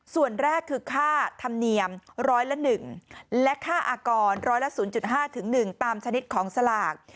ส่วนแรกคือค่าธรรมเนียมร้อยละ๑และค่าอากรร้อยละ๐๕๑ตามชนิดของสลาก